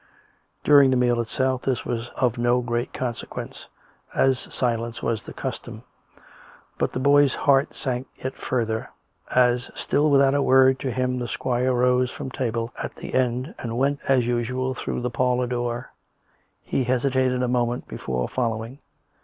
During the meal itself this was of no great consequence, as silence was the cus tom; but the boy's heart sank yet further as, still without a word to him, the squire rose from table at the end and went as usual through the parlour door. He hesitated a moment before following.